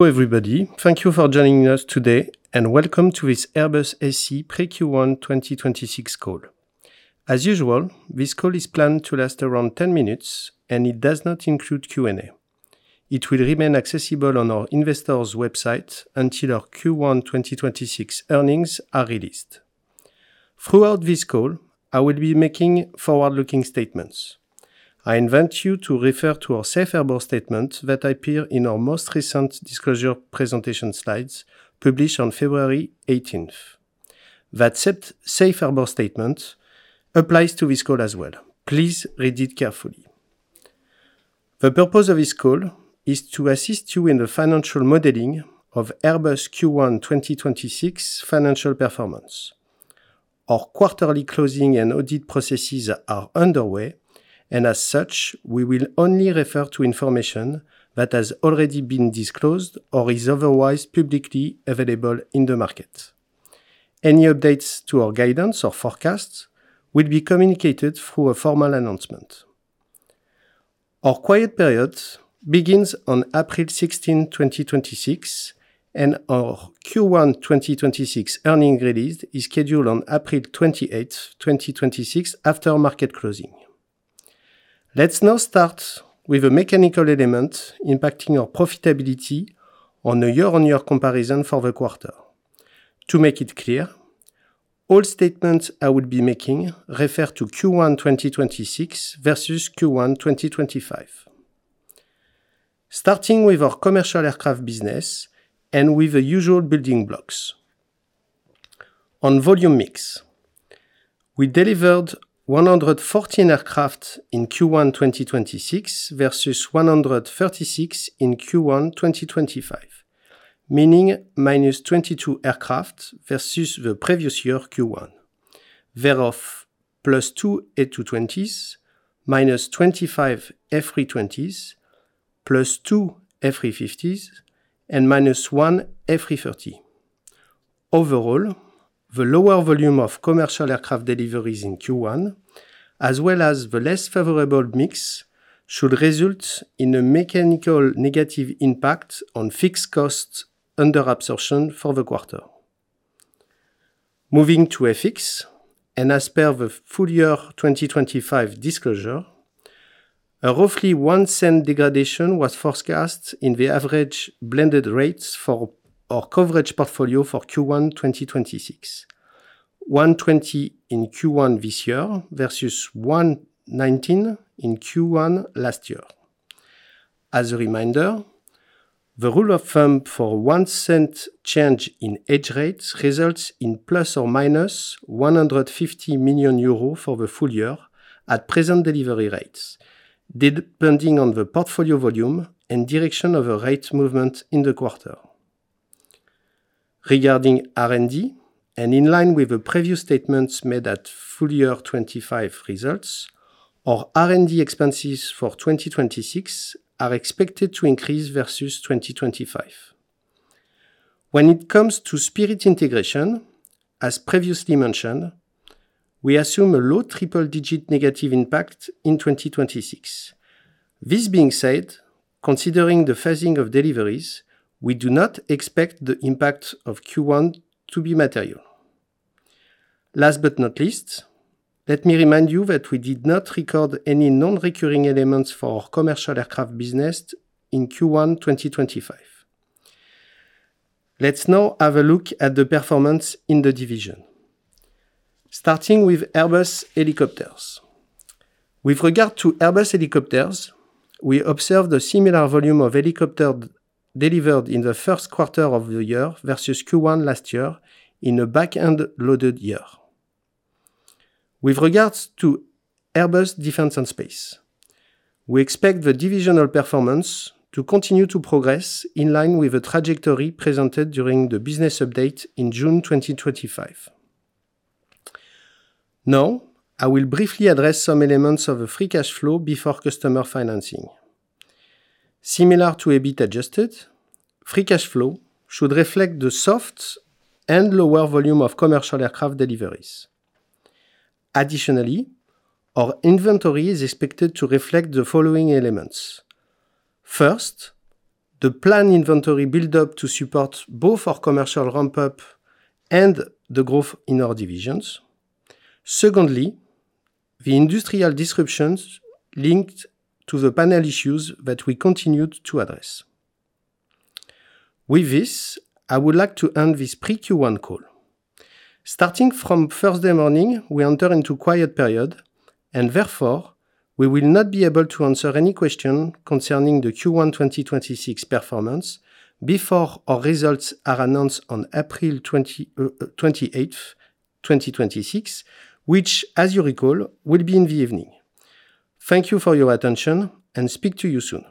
Hello, everybody. Thank you for joining us today, and welcome to this Airbus SE pre Q1 2026 call. As usual, this call is planned to last around 10 minutes, and it does not include Q&A. It will remain accessible on our investors website until our Q1 2026 earnings are released. Throughout this call, I will be making forward-looking statements. I invite you to refer to our safe harbor statement that appear in our most recent disclosure presentation slides published on February 18th. That safe harbor statement applies to this call as well. Please read it carefully. The purpose of this call is to assist you in the financial modeling of Airbus Q1 2026 financial performance. Our quarterly closing and audit processes are underway, and as such, we will only refer to information that has already been disclosed or is otherwise publicly available in the market. Any updates to our guidance or forecasts will be communicated through a formal announcement. Our quiet period begins on April 16, 2026, and our Q1 2026 earnings release is scheduled on April 28th, 2026, after market closing. Let's now start with the mechanical element impacting our profitability on a year-on-year comparison for the quarter. To make it clear, all statements I will be making refer to Q1 2026 versus Q1 2025. Starting with our commercial aircraft business and with the usual building blocks. On volume mix, we delivered 114 aircraft in Q1 2026 versus 136 in Q1 2025, meaning -22 aircraft versus the previous year Q1. Thereof, +2 A220s, -25 A320s, +2 A350s, and -1 A330. Overall, the lower volume of commercial aircraft deliveries in Q1, as well as the less favorable mix, should result in a mechanical negative impact on fixed costs under-absorption for the quarter. Moving to FX, as per the full year 2025 disclosure, a roughly $0.01 degradation was forecast in the average blended rates for our coverage portfolio for Q1 2026. 120 in Q1 this year versus 119 in Q1 last year. As a reminder, the rule of thumb for $0.01 change in hedge rates results in ±150 million euro for the full year at present delivery rates, depending on the portfolio volume and direction of a rate movement in the quarter. Regarding R&D, in line with the previous statements made at full year 2025 results, our R&D expenses for 2026 are expected to increase versus 2025. When it comes to Spirit integration, as previously mentioned, we assume a low triple digit negative impact in 2026. This being said, considering the phasing of deliveries, we do not expect the impact of Q1 to be material. Last but not least, let me remind you that we did not record any non-recurring elements for our commercial aircraft business in Q1 2025. Let's now have a look at the performance in the division. Starting with Airbus Helicopters. With regard to Airbus Helicopters, we observed a similar volume of helicopter delivered in the first quarter of the year versus Q1 last year in a back-end loaded year. With regards to Airbus Defence and Space, we expect the divisional performance to continue to progress in line with the trajectory presented during the business update in June 2025. Now, I will briefly address some elements of a free cash flow before customer financing. Similar to EBIT Adjusted, free cash flow should reflect the soft and lower volume of commercial aircraft deliveries. Additionally, our inventory is expected to reflect the following elements. First, the planned inventory build-up to support both our commercial ramp-up and the growth in our divisions. Secondly, the industrial disruptions linked to the panel issues that we continued to address. With this, I would like to end this pre Q1 call. Starting from Thursday morning, we enter into quiet period, and therefore, we will not be able to answer any question concerning the Q1 2026 performance before our results are announced on April 28th, 2026, which as you recall, will be in the evening. Thank you for your attention and speak to you soon.